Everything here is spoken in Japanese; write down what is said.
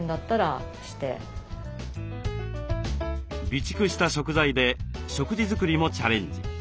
備蓄した食材で食事作りもチャレンジ。